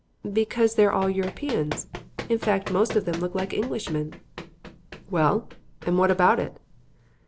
"Because they are all Europeans; in fact, most of them look like Englishmen." "Well? And what about it?"